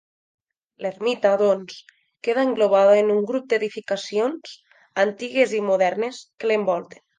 L'ermita, doncs, queda englobada en un grup d'edificacions, antigues i modernes, que l'envolten.